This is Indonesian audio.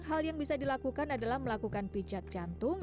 hal yang bisa dilakukan adalah melakukan pijat jantung